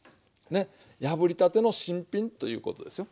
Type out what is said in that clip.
破りたての新品ということですよ。